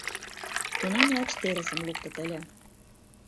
Тунам лач терысым луктыт ыле.